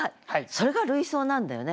それが類想なんだよね。